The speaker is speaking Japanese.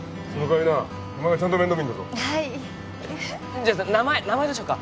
じゃあさ名前名前どうしようか。